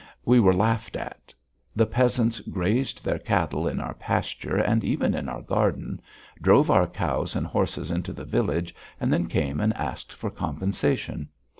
We were laughed at. The peasants grazed their cattle in our pasture and even in our garden, drove our cows and horses into the village and then came and asked for compensation.